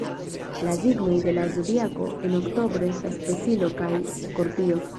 La signoj de la Zodiako en oktobro estas Pesilo kaj Skorpio.